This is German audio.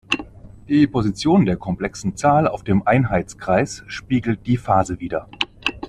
Die Position der komplexen Zahl auf dem Einheitskreis spiegelt die Phase wider.